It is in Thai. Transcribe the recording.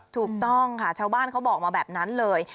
ถูกต้องค่ะชาวบ้านเขาบอกมาแบบนั้นเลย